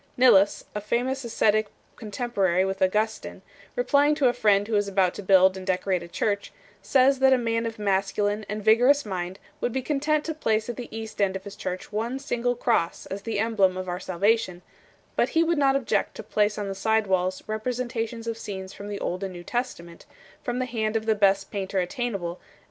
Nilus 8 , a famous ascetic contemporary with Augustin, replying to a friend who was about to build and decorate a church, says that a man of masculine and vigorous mind would be content to place at the east end of his church one single cross as the emblem of our salva tion ; but he would not object to place on the side walls representations of scenes from the Old and New Testa ment, from the hand of the best painter attainable, as the books of the unlettered.